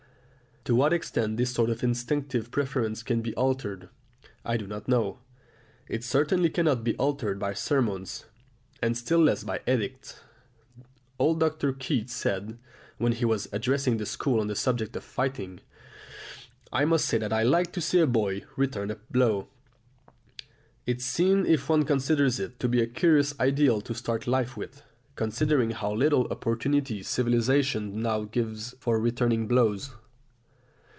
To what extent this sort of instinctive preference can be altered, I do not know; it certainly cannot be altered by sermons, and still less by edicts. Old Dr. Keate said, when he was addressing the school on the subject of fighting, "I must say that I like to see a boy return a blow!" It seems, if one considers it, to be a curious ideal to start life with, considering how little opportunity civilisation now gives for returning blows!